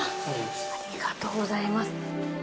ありがとうございます。